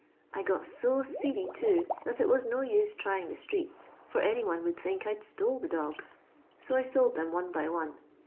I got so seedy, too, tlmt it was no use trying the streets, /or any one would think I 'd stole the dogs. So I sold them one by one.